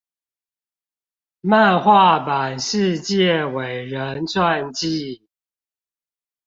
漫畫版世界偉人傳記